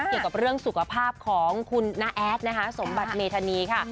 เกี่ยวกับเรื่องสุขภาพของคุณน้าแอดนะคะสมบัติเมธานีค่ะ